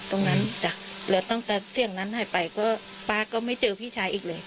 ตรงนั้นจ้ะแล้วตั้งแต่เสียงนั้นหายไปก็ป๊าก็ไม่เจอพี่ชายอีกเลย